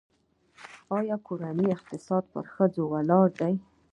آیا د کورنۍ اقتصاد پر ښځو ولاړ دی؟